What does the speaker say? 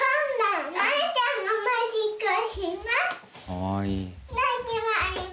かわいい。